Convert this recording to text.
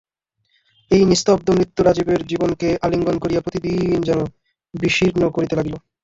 এই নিস্তব্ধ মৃত্যু রাজীবের জীবনকে আলিঙ্গন করিয়া প্রতিদিন যেন বিশীর্ণ করিতে লাগিল।